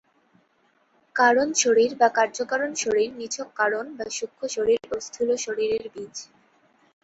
কারণ শরীর বা কার্যকারণ শরীর নিছক কারণ বা সূক্ষ্ম শরীর ও স্থূল শরীরের বীজ।